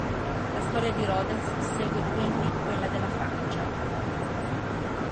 La storia di Rodez segue quindi quella della Francia.